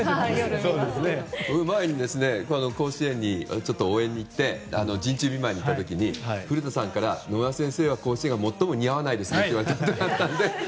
前、甲子園に応援に行って陣中見舞いに行った時に古田さんから、野村先生は甲子園が最も似合わないですからって言われたことがあるので。